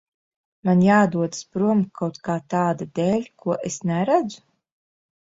Man jādodas prom kaut kā tāda dēļ, ko es neredzu?